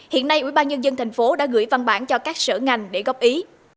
hiện nay ubnd thành phố đã gửi văn bản cho các sở ngành để góp ý